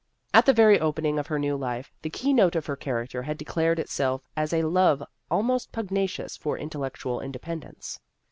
At the very opening of her new life, the key note of her character had declared itself as a love almost pugnacious for in tellectual independence.